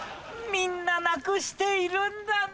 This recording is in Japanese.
みんななくしているんだね。